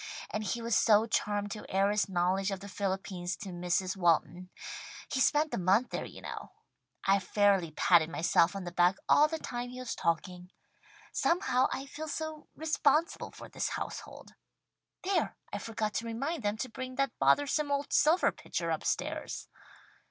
And he was so charmed to air his knowledge of the Philippines to Mrs. Walton. He spent a month there you know. I fairly patted myself on the back all the time he was talking. Somehow I feel so responsible for this household. There! I forgot to remind them to bring that bothersome old silver pitcher upstairs!"